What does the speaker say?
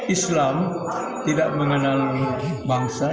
islam tidak mengenal bangsa